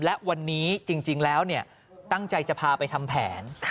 และวันนี้จริงแล้วตั้งใจจะพาไปทำแผน